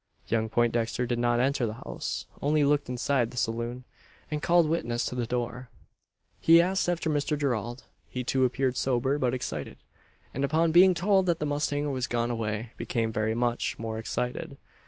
Young Poindexter did not enter the house. Only looked inside the saloon; and called witness to the door. He asked after Mr Gerald. He too appeared sober, but excited; and, upon being told that the mustanger was gone away, became very much more excited.